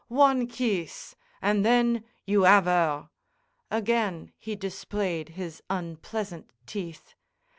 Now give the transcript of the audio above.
One kees! An' then you 'ave her." Again he displayed his unpleasant teeth.